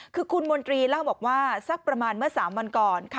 คือคุณมนตรีเล่าบอกว่าสักประมาณเมื่อ๓วันก่อนค่ะ